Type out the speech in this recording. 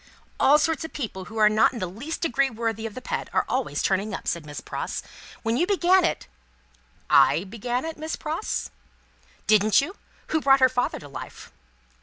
"All sorts of people who are not in the least degree worthy of the pet, are always turning up," said Miss Pross. "When you began it " "I began it, Miss Pross?" "Didn't you? Who brought her father to life?"